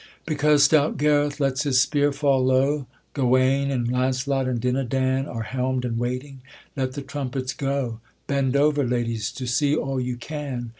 Because stout Gareth lets his spear fall low, Gauwaine and Launcelot, and Dinadan Are helm'd and waiting; let the trumpets go! Bend over, ladies, to see all you can!